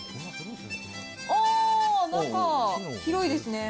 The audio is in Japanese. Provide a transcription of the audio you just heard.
あー、中、広いですね。